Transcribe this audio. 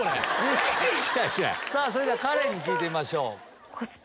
それではカレンに聞いてみましょう。